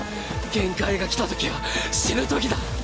限界が来たときは死ぬときだ。